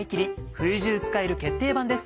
冬中使える決定版です。